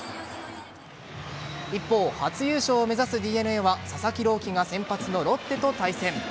一方、初優勝を目指すＤｅＮＡは佐々木朗希が先発のロッテと対戦。